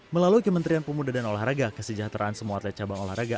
melalui kementerian pemuda dan olahraga kesejahteraan semua atlet cabang olahraga